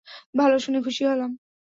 ভালো, শুনে খুশি হলাম।